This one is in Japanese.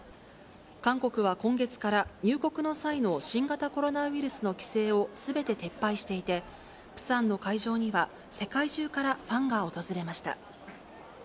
韓国は今月から、入国の際の新型コロナウイルスの規制をすべて撤廃していて、プサンの会場には世界中からファンが訪れました。